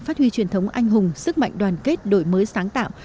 phát huy truyền thống anh hùng sức mạnh đoàn kết đổi mới sáng tạo